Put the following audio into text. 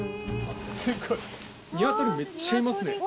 すごいニワトリめっちゃいますね！